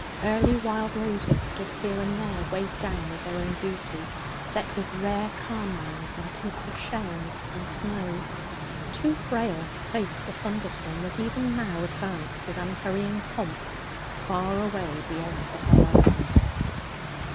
Early wild roses stood here and there, weighed down with their own beauty, set with rare carmine and tints of shells and snow, too frail to face the thunderstorm that even now advanced with unhurrying pomp far away beyond the horizon.